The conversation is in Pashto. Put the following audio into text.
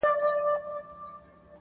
اوس بقا د ژوند په دوو ژبو نغښتې,